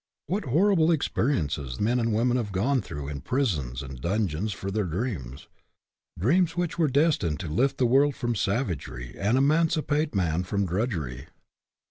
What horrible experiences men and women have gone through in prisons and dungeons for their dreams ; dreams which were destined to lift the world from savagery and emancipate man from drudgery.